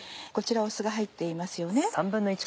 こちら酢が入っていますよね。